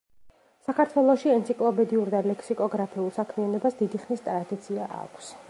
საქართველოში ენციკლოპედიურ და ლექსიკოგრაფიულ საქმიანობას დიდი ხნის ტრადიცია აქვს.